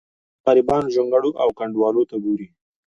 بل د غریبانو جونګړو او کنډوالو ته ګوري.